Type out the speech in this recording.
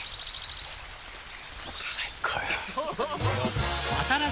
最高よ。